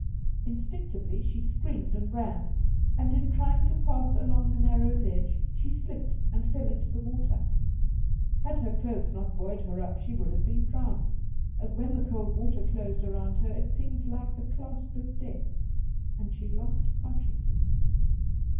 ' Instinctively she screamed and ran, and in trying to pass along the narrow ledge she slipped and fell into the water. Had her clothes not buoyed her up she would have been drowned, as when the cold water closed round her it seemed like the clasp of death, and she lost conscious ness.'